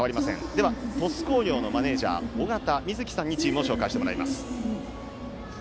では、鳥栖工業のマネージャー緒方美月さんにチームを紹介してもらいます。